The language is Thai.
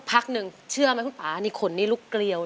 สักพักหนึ่งเชื่อไหมคุณป๊าขนนี้รูกเกรียวเลย